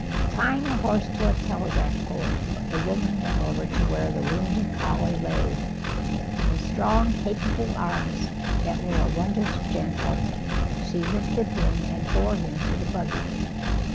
Tying the horse to a telegraph pole, the woman went over to where the wounded collie lay. In strong, capable arms, that were wondrous gentle, she lifted him and bore him to the buggy.